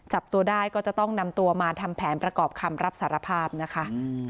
จับตัวได้ก็จะต้องนำตัวมาทำแผนประกอบคำรับสารภาพนะคะ